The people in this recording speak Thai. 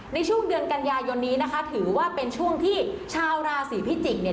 ในช่วงเดือนกันยายนนี้นะคะถือว่าเป็นช่วงที่ชาวราศีพิจิกษ์เนี่ย